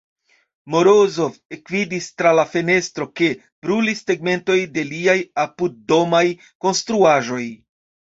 Morozov ekvidis tra la fenestro, ke brulis tegmentoj de liaj apuddomaj konstruaĵoj.